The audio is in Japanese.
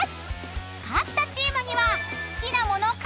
［勝ったチームには］